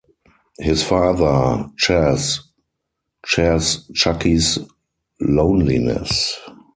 His father, Chas, shares Chuckie's loneliness.